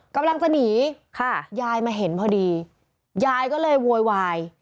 กำลังจะหนีค่ะยายมาเห็นพอดียายก็เลยโวยวาย